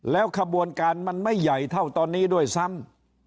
แล้วขบวนการมันไม่ใหญ่เท่าตอนนี้ด้วยซ้ำ